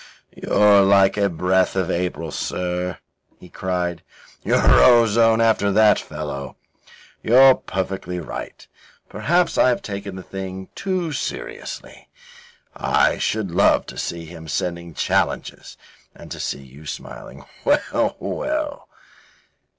"You're like a breath of April, sir," he cried. "You're ozone after that fellow. You're perfectly right. Perhaps I have taken the thing too seriously. I should love to see him sending you challenges and to see you smiling. Well, well."